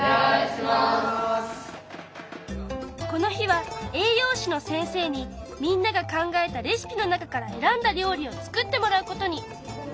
この日は栄養士の先生にみんなが考えたレシピの中から選んだ料理を作ってもらうことに！